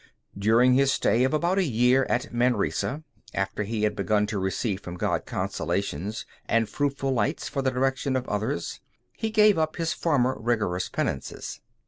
During his stay of about a year at Manresa, after he had begun to receive from God consolations, and fruitful lights for the direction of others, he gave up his former rigorous penances.